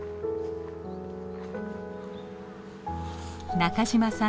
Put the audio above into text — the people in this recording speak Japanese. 中嶋さん